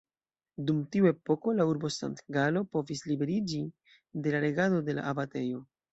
Dum tiu epoko la urbo Sankt-Galo povis liberiĝi de la regado de la abatejo.